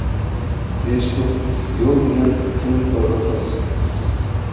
دېيىشتۇق يول دېگەن پۇلى بارغا خاس.